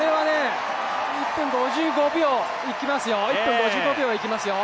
１分５５秒はいきますよ。